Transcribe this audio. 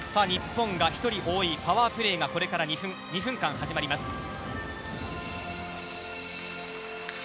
日本が１人多いパワープレーがこれから２分間始まります。